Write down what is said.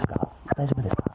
大丈夫ですか。